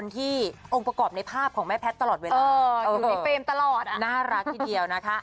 ที่องค์ประกอบในภาพของแม่แพทย์ตลอดเวลาอยู่ในเฟรมตลอดน่ารักทีเดียวนะคะ